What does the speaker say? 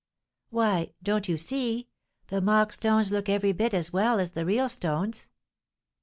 "Why, don't you see, the mock stones look every bit as well as the real stones?